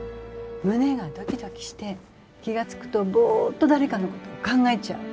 胸がドキドキして気が付くとボーッと誰かのことを考えちゃう。